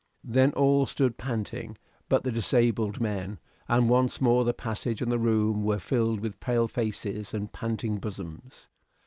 Then all stood panting but the disabled men, and once more the passage and the room were filled with pale faces and panting bosoms.